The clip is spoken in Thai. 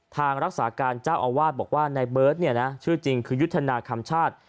ทางรักษาการเจ้าอาวาสบอกว่าในเบิร์ตชื่อจริงคือยุทธนาคำชาติ